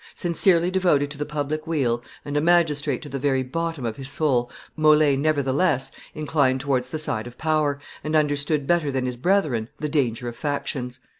Sincerely devoted to the public weal, and a magistrate to the very bottom of his soul, Mole, nevertheless, inclined towards the side of power, and understood better than his brethren the danger of factions.